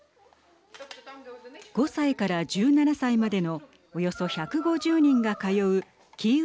５歳から１７歳までのおよそ１５０人が通うキーウ